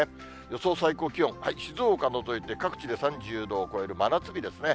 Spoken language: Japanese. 予想最高気温、静岡除いて、各地で３０度を超える真夏日ですね。